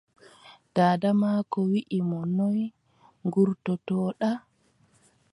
Daada maako wii mo, noy ngurtoto-ɗa?